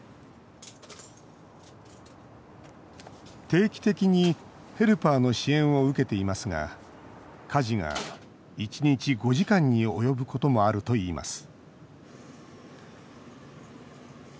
定期的にヘルパーの支援を受けていますが家事が１日５時間に及ぶこともあるといいます